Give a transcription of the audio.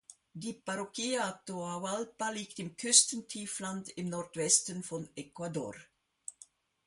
Die Parroquia Atahualpa liegt im Küstentiefland im Nordwesten von Ecuador.